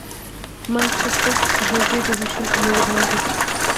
مایټوسیس د حجرې د ویشلو یو ډول دی